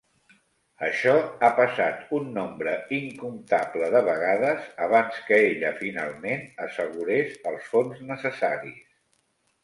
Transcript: Això ha passat un nombre incomptable de vegades abans que ella finalment assegurés els fons necessaris.